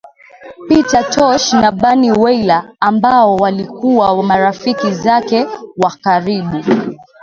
Peter Tosh na Bunny Wailer ambao walikuwa marafiki zake wa karibu